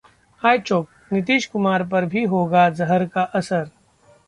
iChowk: Nitish Kumar पर भी होगा जहर का असर